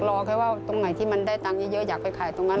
รอแค่ว่าตรงไหนที่มันได้ตังค์เยอะอยากไปขายตรงนั้น